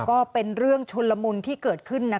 ก็เป็นเรื่องชุนละมุนที่เกิดขึ้น